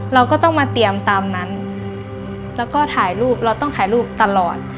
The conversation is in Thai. เราก็ต้องมาเตรียมตามนั้นแล้วก็ถ่ายรูปเราต้องถ่ายรูปตลอด